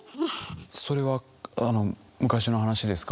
それは昔の話ですか？